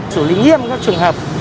sử lý nghiêm các trường hợp